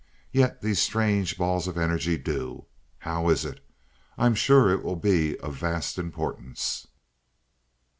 Yet these strange balls of energy do. How is it? I am sure it will be of vast importance.